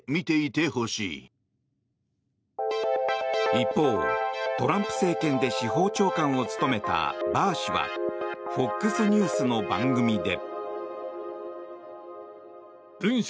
一方、トランプ政権で司法長官を務めたバー氏はＦＯＸニュースの番組で。